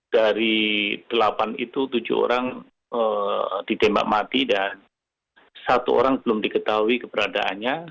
dari delapan itu tujuh orang ditembak mati dan satu orang belum diketahui keberadaannya